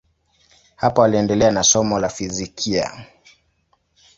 Hapo aliendelea na somo la fizikia.